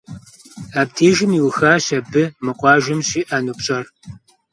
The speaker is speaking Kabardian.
Абдежым иухащ абы мы къуажэм щиӏэну пщӏэр.